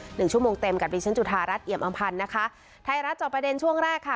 หนึ่งชั่วโมงเต็มกับดิฉันจุธารัฐเอี่ยมอำพันธ์นะคะไทยรัฐจอบประเด็นช่วงแรกค่ะ